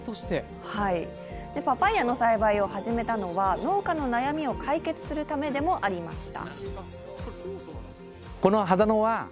パパイヤの栽培を始めたのは、農家の悩みを解決するためでもありました。